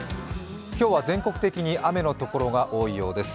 今日は全国的に雨のところが多いようです。